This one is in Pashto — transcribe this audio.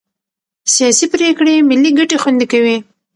سیاسي پرېکړې ملي ګټې خوندي کوي